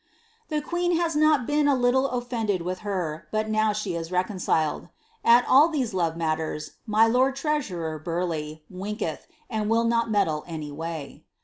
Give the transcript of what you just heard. The queen has not been a little ofiended with her, but now she is reconciled. At all these love matters, my lord treasurer, Burleigh, winketh, and will not meddle any way."